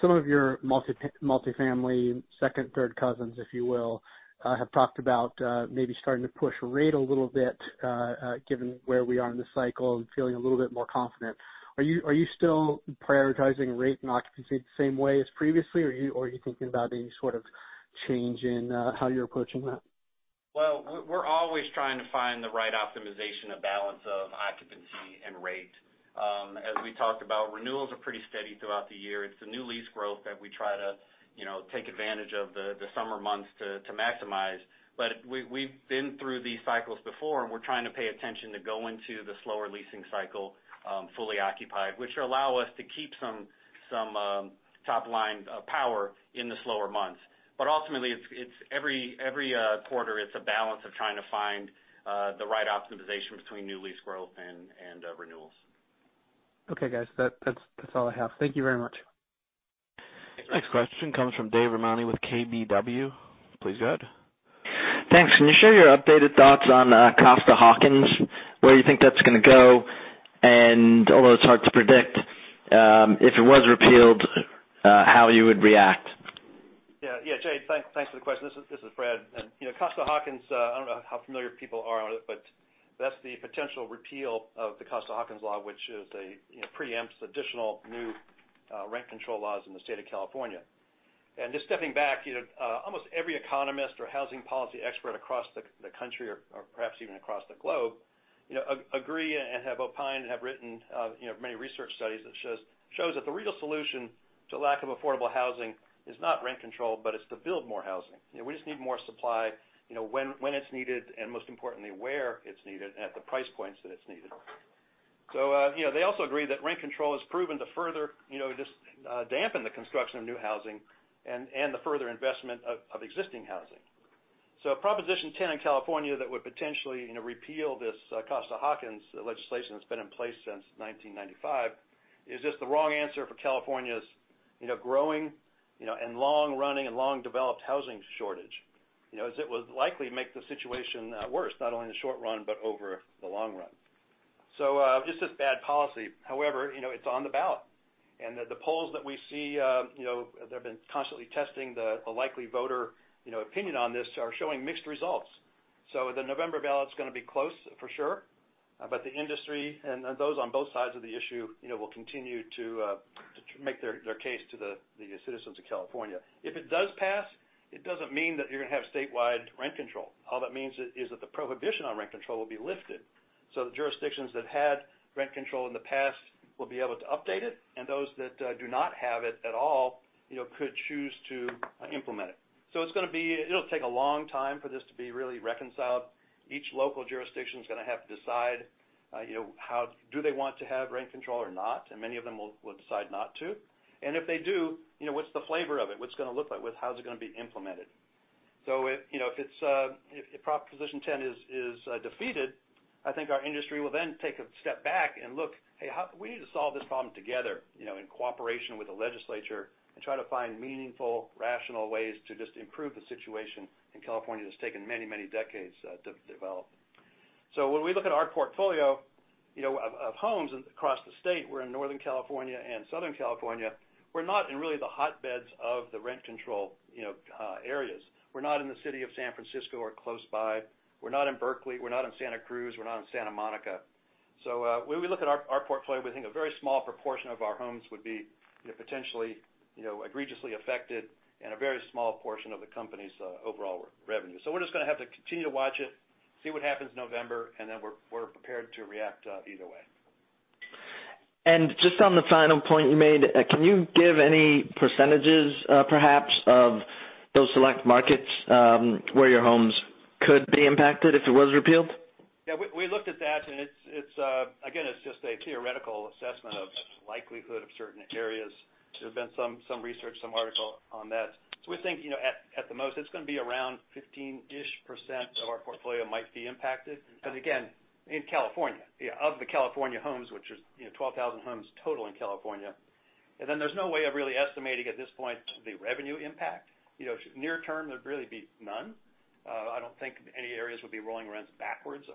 Some of your multifamily second, third cousins, if you will, have talked about maybe starting to push rate a little bit, given where we are in the cycle and feeling a little bit more confident. Are you still prioritizing rate and occupancy the same way as previously, or are you thinking about any sort of change in how you're approaching that? Well, we're always trying to find the right optimization, a balance of occupancy and rate. As we talked about, renewals are pretty steady throughout the year. It's the new lease growth that we try to take advantage of the summer months to maximize. We've been through these cycles before, and we're trying to pay attention to go into the slower leasing cycle fully occupied, which allow us to keep some top-line power in the slower months. Ultimately, every quarter, it's a balance of trying to find the right optimization between new lease growth and renewals. Okay, guys. That's all I have. Thank you very much. Next question comes from Jade Rahmani with KBW. Please go ahead. Thanks. Can you share your updated thoughts on Costa-Hawkins, where you think that's going to go, and although it's hard to predict, if it was repealed, how you would react? Yeah, Jade, thanks for the question. This is Fred. Costa-Hawkins, I don't know how familiar people are on it, but that's the potential repeal of the Costa-Hawkins law, which preempts additional new rent control laws in the state of California. Just stepping back, almost every economist or housing policy expert across the country, or perhaps even across the globe, agree and have opined and have written many research studies that shows that the real solution to lack of affordable housing is not rent control, but it's to build more housing. We just need more supply when it's needed, and most importantly, where it's needed at the price points that it's needed. They also agree that rent control has proven to further just dampen the construction of new housing and the further investment of existing housing. Proposition 10 in California that would potentially repeal this Costa-Hawkins legislation that has been in place since 1995 is just the wrong answer for California’s growing and long-running and long-developed housing shortage. As it would likely make the situation worse, not only in the short run, but over the long run. Just it is bad policy. However, it is on the ballot. And the polls that we see, they have been constantly testing the likely voter opinion on this, are showing mixed results. The November ballot is going to be close for sure. The industry and those on both sides of the issue, will continue to make their case to the citizens of California. If it does pass, it does not mean that you are going to have statewide rent control. All that means is that the prohibition on rent control will be lifted. The jurisdictions that had rent control in the past will be able to update it, and those that do not have it at all could choose to implement it. It will take a long time for this to be really reconciled. Each local jurisdiction is going to have to decide, do they want to have rent control or not? And many of them will decide not to. And if they do, what is the flavor of it? What is it going to look like? How is it going to be implemented? If Proposition 10 is defeated, I think our industry will then take a step back and look, hey, we need to solve this problem together, in cooperation with the legislature, and try to find meaningful, rational ways to just improve the situation in California that has taken many decades to develop. When we look at our portfolio of homes across the state, we are in Northern California and Southern California. We are not in really the hotbeds of the rent control areas. We are not in the city of San Francisco or close by. We are not in Berkeley, we are not in Santa Cruz, we are not in Santa Monica. When we look at our portfolio, we think a very small proportion of our homes would be potentially egregiously affected and a very small portion of the company’s overall revenue. We are just going to have to continue to watch it, see what happens in November, and then we are prepared to react either way. Just on the final point you made, can you give any percentages perhaps of those select markets, where your homes could be impacted if it was repealed? We looked at that. Again, it's just a theoretical assessment of likelihood of certain areas. There's been some research, some article on that. We think, at the most, it's going to be around 15%-ish of our portfolio might be impacted. But again- In California Of the California homes, which is 12,000 homes total in California. There's no way of really estimating at this point the revenue impact. Near term, there'd really be none. I don't think any areas would be rolling rents backwards,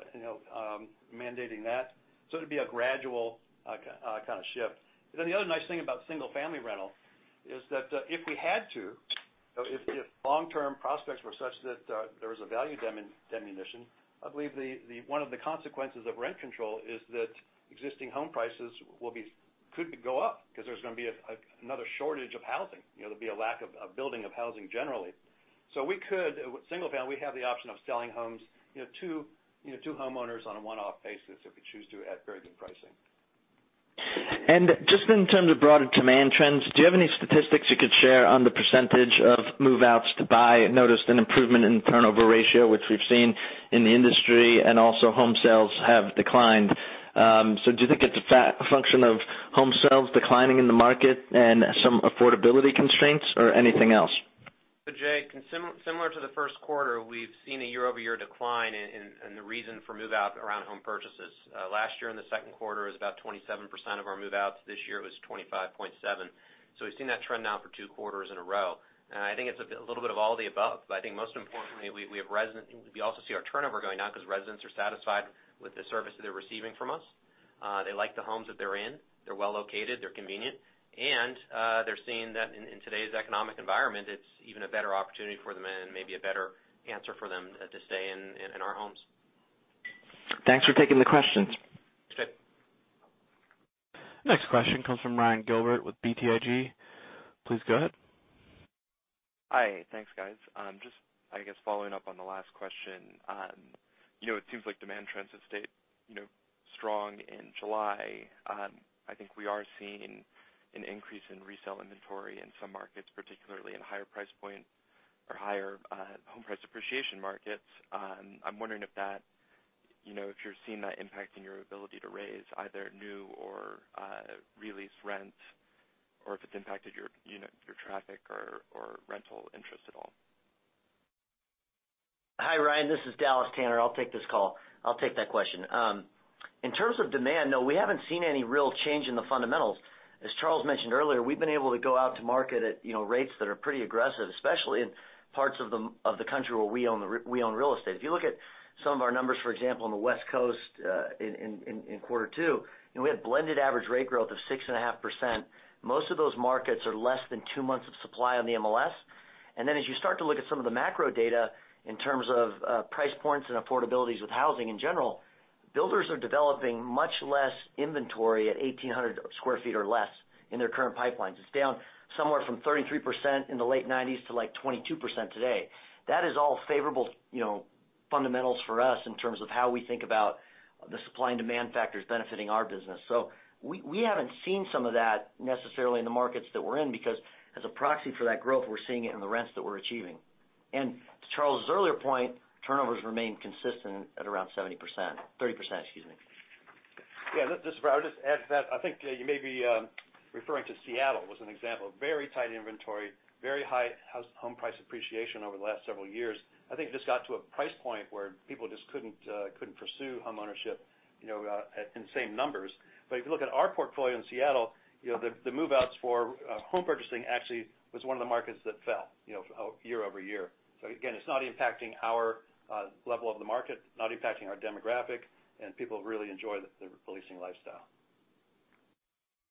mandating that. It'd be a gradual kind of shift. The other nice thing about single-family rental is that if we had to, if long-term prospects were such that there was a value diminution, I believe one of the consequences of rent control is that existing home prices could go up because there's going to be another shortage of housing. There'll be a lack of building of housing generally. With single family, we have the option of selling homes to homeowners on a one-off basis if we choose to, at very good pricing. Just in terms of broader demand trends, do you have any statistics you could share on the % of move-outs to buy? Noticed an improvement in turnover ratio, which we've seen in the industry, and also home sales have declined. Do you think it's a function of home sales declining in the market and some affordability constraints or anything else? Jay, similar to the first quarter, we've seen a year-over-year decline in the reason for move-out around home purchases. Last year in the second quarter, it was about 27% of our move-outs. This year, it was 25.7. We've seen that trend now for two quarters in a row. I think it's a little bit of all the above. I think most importantly, we also see our turnover going up because residents are satisfied with the service that they're receiving from us. They like the homes that they're in. They're well located, they're convenient, and they're seeing that in today's economic environment, it's even a better opportunity for them and maybe a better answer for them to stay in our homes. Thanks for taking the questions. Sure. Next question comes from Ryan Gilbert with BTIG. Please go ahead. Hi. Thanks, guys. Just, I guess following up on the last question. It seems like demand trends have stayed strong in July. I think we are seeing an increase in resale inventory in some markets, particularly in higher price point or higher home price appreciation markets. I'm wondering if you're seeing that impacting your ability to raise either new or re-lease rent, or if it's impacted your traffic or rental interest at all. Hi, Ryan, this is Dallas Tanner. I'll take this call. I'll take that question. In terms of demand, no, we haven't seen any real change in the fundamentals. As Charles mentioned earlier, we've been able to go out to market at rates that are pretty aggressive, especially in parts of the country where we own real estate. If you look at some of our numbers, for example, on the West Coast, in quarter two, we had blended average rate growth of 6.5%. Most of those markets are less than 2 months of supply on the MLS. As you start to look at some of the macro data in terms of price points and affordability with housing in general, builders are developing much less inventory at 1,800 sq ft or less in their current pipelines. It's down somewhere from 33% in the late 1990s to like 22% today. That is all favorable fundamentals for us in terms of how we think about the supply and demand factors benefiting our business. We haven't seen some of that necessarily in the markets that we're in because as a proxy for that growth, we're seeing it in the rents that we're achieving. To Charles' earlier point, turnovers remain consistent at around 70%. 30%, excuse me. Yeah, this is. [inaudible] I'll just add to that. I think you may be referring to Seattle as an example of very tight inventory, very high home price appreciation over the last several years. I think it just got to a price point where people just couldn't pursue homeownership in the same numbers. If you look at our portfolio in Seattle, the move-outs for home purchasing actually was one of the markets that fell year-over-year. Again, it's not impacting our level of the market, not impacting our demographic, and people really enjoy the leasing lifestyle.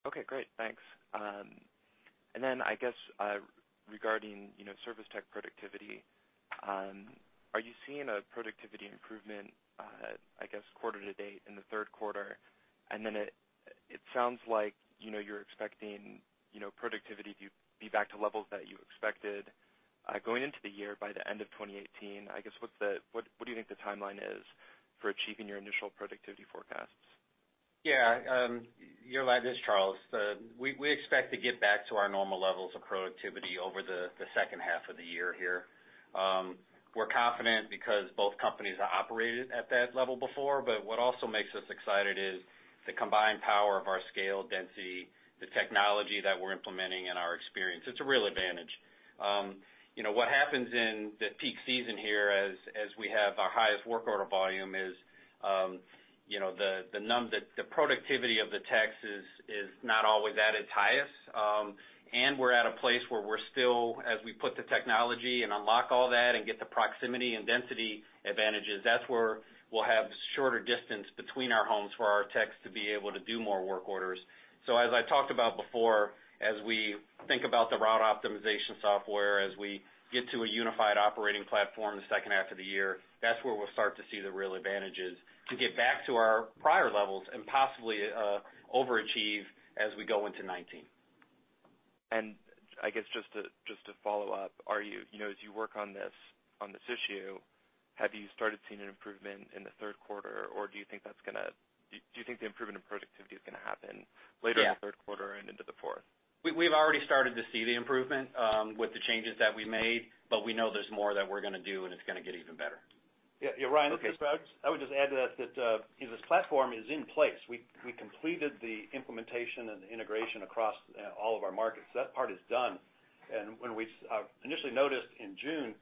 Okay, great. Thanks. I guess, regarding service tech productivity, are you seeing a productivity improvement, I guess, quarter to date in the third quarter? It sounds like you're expecting productivity to be back to levels that you expected going into the year by the end of 2018. I guess, what do you think the timeline is for achieving your initial productivity forecasts? Yeah. You're right. This is Charles. We expect to get back to our normal levels of productivity over the second half of the year here. We're confident because both companies are operated at that level before, but what also makes us excited is the combined power of our scale, density, the technology that we're implementing, and our experience. It's a real advantage. What happens in the peak season here as we have our highest work order volume is the productivity of the techs is not always at its highest. We're at a place where we're still, as we put the technology and unlock all that and get the proximity and density advantages, that's where we'll have shorter distance between our homes for our techs to be able to do more work orders. As I talked about before, as we think about the route optimization software, as we get to a unified operating platform the second half of the year, that's where we'll start to see the real advantages to get back to our prior levels and possibly overachieve as we go into 2019. I guess just to follow up, as you work on this issue, have you started seeing an improvement in the third quarter, or do you think the improvement in productivity is going to happen later? Yeah in the third quarter and into the fourth? We've already started to see the improvement with the changes that we made, but we know there's more that we're going to do, and it's going to get even better. Yeah. Ryan, this is Fred. I would just add to that this platform is in place. We completed the implementation and the integration across all of our markets. That part is done. When we initially noticed in June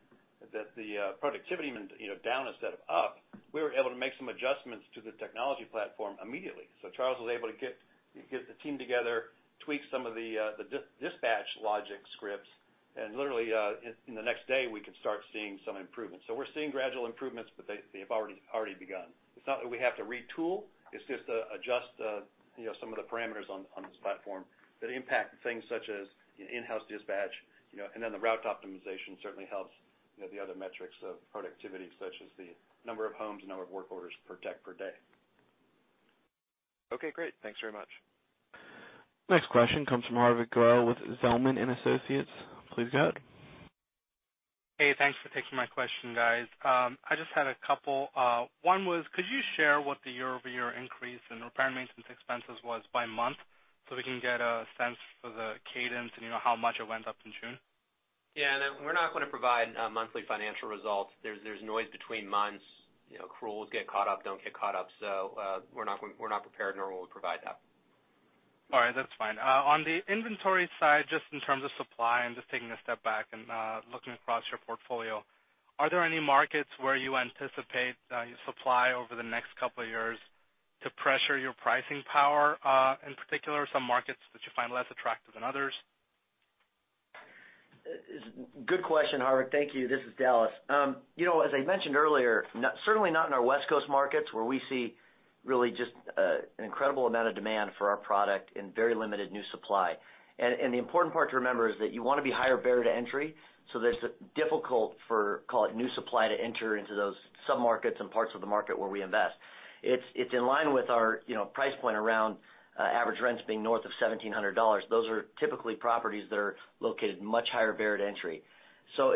that the productivity went down instead of up, we were able to make some adjustments to the technology platform immediately. Charles was able to get the team together, tweak some of the dispatch logic scripts, and literally, in the next day, we could start seeing some improvements. We're seeing gradual improvements, but they've already begun. It's not that we have to retool. It's just adjust some of the parameters on this platform that impact things such as in-house dispatch, and then the route optimization certainly helps the other metrics of productivity, such as the number of homes, number of work orders per tech per day. Okay, great. Thanks very much. Next question comes from Hardik Goel with Zelman & Associates. Please go ahead. Hey, thanks for taking my question, guys. I just had a couple. One was, could you share what the year-over-year increase in repair and maintenance expenses was by month so we can get a sense of the cadence and how much it went up in June? Yeah. No, we're not going to provide monthly financial results. There's noise between months. Crews get caught up, don't get caught up. We're not prepared, nor will we provide that. All right, that's fine. On the inventory side, just in terms of supply and just taking a step back and looking across your portfolio, are there any markets where you anticipate supply over the next couple of years to pressure your pricing power, in particular, some markets that you find less attractive than others? Good question, Hardik. Thank you. This is Dallas. As I mentioned earlier, certainly not in our West Coast markets where we see really just an incredible amount of demand for our product and very limited new supply. The important part to remember is that you want to be higher barrier to entry, so that it's difficult for, call it, new supply to enter into those sub-markets and parts of the market where we invest. It's in line with our price point around average rents being north of $1,700. Those are typically properties that are located much higher barrier to entry.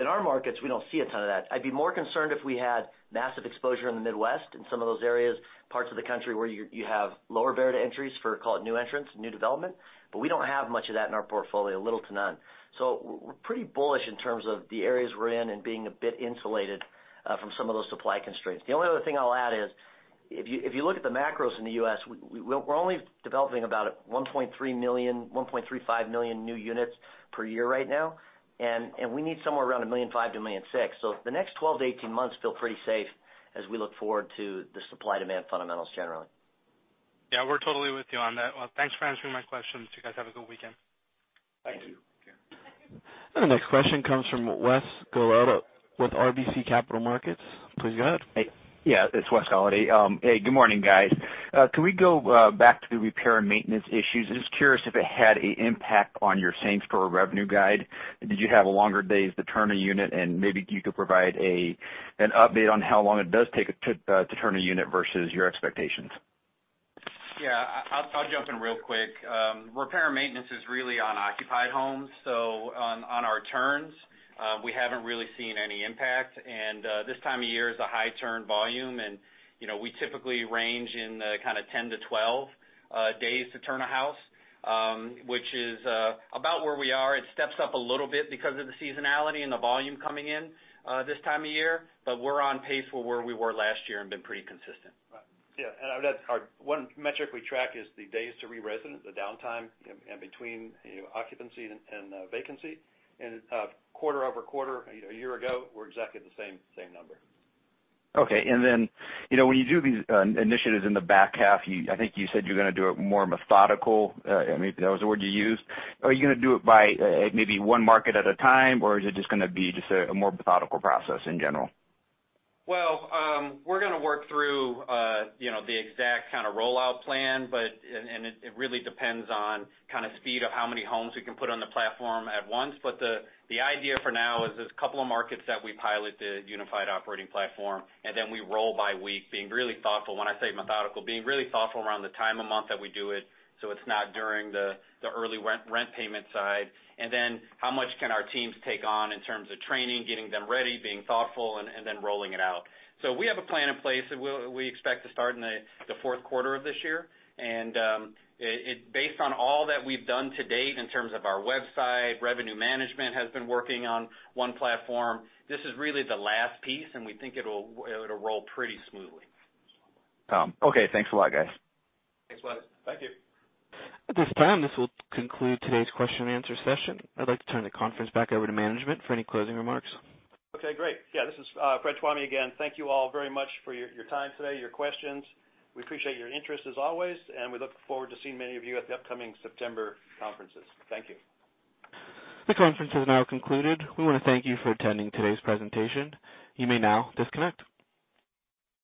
In our markets, we don't see a ton of that. I'd be more concerned if we had massive exposure in the Midwest and some of those areas, parts of the country where you have lower barrier to entries for, call it, new entrants, new development. We don't have much of that in our portfolio, little to none. We're pretty bullish in terms of the areas we're in and being a bit insulated from some of those supply constraints. The only other thing I'll add is, if you look at the macros in the U.S., we're only developing about 1.3 million, 1.35 million new units per year right now, and we need somewhere around 1.5 million to 1.6 million. The next 12 to 18 months feel pretty safe as we look forward to the supply-demand fundamentals generally. We're totally with you on that. Well, thanks for answering my questions. You guys have a good weekend. Thank you. Thank you. The next question comes from Wesley Golladay with RBC Capital Markets. Please go ahead. Yeah, it's Wesley Golladay. Hey, good morning, guys. Can we go back to the repair and maintenance issues? I'm just curious if it had an impact on your savings per revenue guide. Did you have longer days to turn a unit? Maybe you could provide an update on how long it does take to turn a unit versus your expectations. Yeah. I'll jump in real quick. Repair and maintenance is really on occupied homes. On our turns, we haven't really seen any impact. This time of year is a high turn volume, and we typically range in kind of 10-12 days to turn a house, which is about where we are. It steps up a little bit because of the seasonality and the volume coming in this time of year, but we're on pace for where we were last year and been pretty consistent. Yeah. One metric we track is the days to re-resident, the downtime in between occupancy and vacancy. Quarter-over-quarter a year ago, we're exactly at the same number. Okay. Then, when you do these initiatives in the back half, I think you said you're going to do it more methodical. I mean, that was the word you used. Are you going to do it by maybe one market at a time, or is it just going to be a more methodical process in general? Well, we're going to work through the exact kind of rollout plan. It really depends on kind of speed of how many homes we can put on the platform at once. The idea for now is this couple of markets that we piloted unified operating platform. Then we roll by week being really thoughtful. When I say methodical, being really thoughtful around the time of month that we do it, so it's not during the early rent payment side. Then how much can our teams take on in terms of training, getting them ready, being thoughtful, then rolling it out. We have a plan in place, and we expect to start in the fourth quarter of this year. Based on all that we've done to date in terms of our website, revenue management has been working on one platform. This is really the last piece. We think it'll roll pretty smoothly. Okay. Thanks a lot, guys. Thanks, Wes. Thank you. At this time, this will conclude today's question and answer session. I'd like to turn the conference back over to management for any closing remarks. Okay, great. Yeah, this is Frederick Tuomi again. Thank you all very much for your time today, your questions. We appreciate your interest as always, and we look forward to seeing many of you at the upcoming September conferences. Thank you. The conference has now concluded. We want to thank you for attending today's presentation. You may now disconnect.